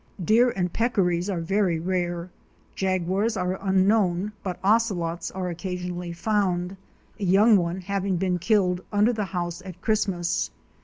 Deer and peccaries are very rare. Jaguars are unknown but ocelots are occasionally found, a young one having been killed under the house at Christmas.